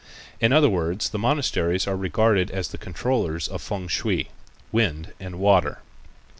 In other words the monasteries are regarded as the controllers of fêng shui (wind and water).